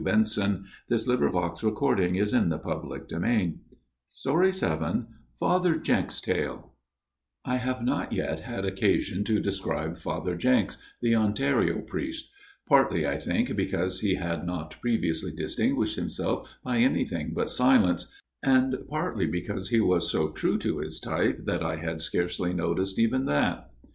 My God, why have I told you the tale at all ?" VII Father Jenks' Tale VII Father Jenks' Tale I HAVE not yet had occasion to describe Father Jenks, the Ontario priest ; partly, I think, because he had not previously distinguished himself by anything but silence ; and partly because he was so true to his type that I had scarcely noticed even that.